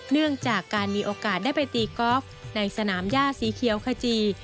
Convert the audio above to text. เนื่องจากการมีโอกาสได้ไปตีกอล์ฟในสนามย่าสีเขียวขจี